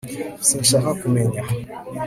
sinkibasha kumenya